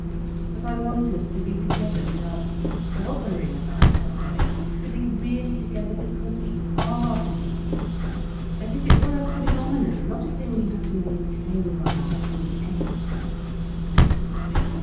But I want us to be together without bothering about ourselves—to be really together because we are together, as if it were a phenomenon, not a not a thing we have to maintain by our own effort."